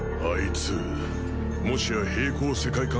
あいつもしや並行世界